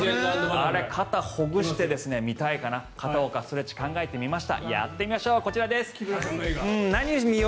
肩をほぐしてみたいから片岡ストレッチを考えてみました。